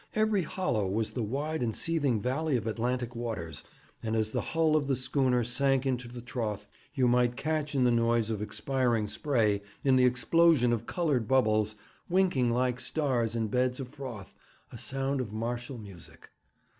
Every hollow was the wide and seething valley of Atlantic waters; and as the hull of the schooner sank into the trough, you might catch in the noise of expiring spray, in the explosion of coloured bubbles, winking like stars in beds of froth, a sound of martial music.